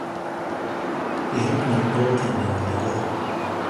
He helped make goal tending illegal.